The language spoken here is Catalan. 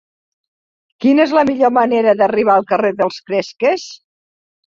Quina és la millor manera d'arribar al carrer dels Cresques?